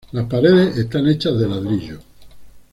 Las paredes están hechas de ladrillo.